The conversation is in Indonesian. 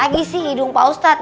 lagi sih hidung pak ustadz